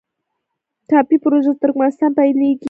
ټاپي پروژه له ترکمنستان پیلیږي